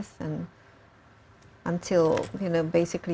dan dengan siapa yang anda berbicara